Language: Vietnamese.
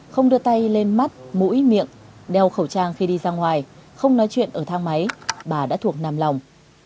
không đưa tay lên mắt mũi miệng đeo khẩu trang khi đi ra ngoài không nói chuyện ở thang máy bà đã thuộc nằm lòng